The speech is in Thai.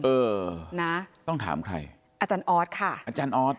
เออนะต้องถามใครอาจารย์ออสค่ะอาจารย์ออส